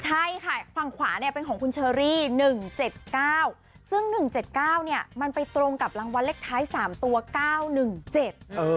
ใช่ค่ะฝั่งขวาเนี่ยเป็นของคุณเชอรี่หนึ่งเจ็ดเก้าซึ่งหนึ่งเจ็ดเก้าเนี่ยมันไปตรงกับรางวัลเลขท้ายสามตัวเก้าหนึ่งเจ็ดเออ